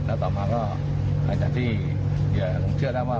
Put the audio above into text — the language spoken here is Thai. แล้วต่อมาก็หลังจากที่เหลือคุณเชื่อได้ว่า